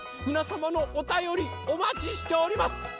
みなさまのおたよりおまちしております！